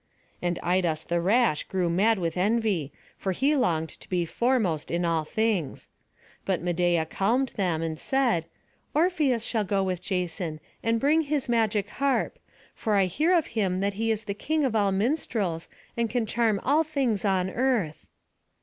And Idas the rash grew mad with envy; for he longed to be foremost in all things. But Medeia calmed them, and said: "Orpheus shall go with Jason, and bring his magic harp; for I hear of him that he is the king of all minstrels, and can charm all things on earth."